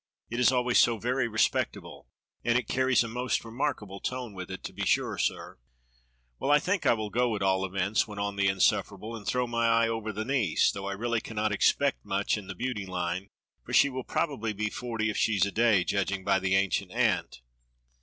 It is always so very respectable, and it carries a most remarkable tone with it, to be sure, sir." 268 DOCTOR SYN "Well, I think I will go, at all events," went on the insufferable, "and throw my eye over the niece, though I really cannot expect much in the beauty line, for she will probably be forty if she's a day, judging by the ancient aunt.